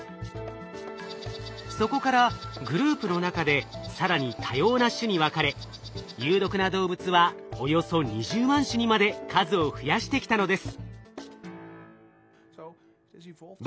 そこからグループの中で更に多様な種に分かれ有毒な動物はおよそ２０万種にまで数を増やしてきたのです。